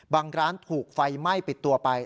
ร้านถูกไฟไหม้ปิดตัวไป